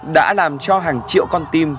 đã làm cho hàng triệu con team